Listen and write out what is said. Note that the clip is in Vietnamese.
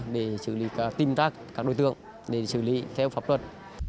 để xử lý các team tác các đối tượng để xử lý theo pháp luật